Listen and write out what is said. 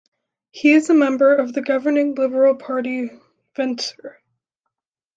He is a member of the governing liberal party Venstre.